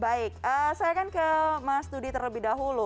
baik saya akan ke mas dudi terlebih dahulu